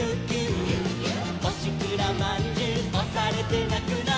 「おしくらまんじゅうおされてなくな」